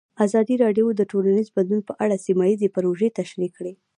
ازادي راډیو د ټولنیز بدلون په اړه سیمه ییزې پروژې تشریح کړې.